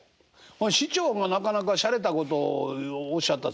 市長がなかなかしゃれたことをおっしゃったそうですな。